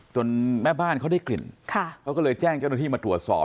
แม่บ้านเขาได้กลิ่นเขาก็เลยแจ้งเจ้าหน้าที่มาตรวจสอบ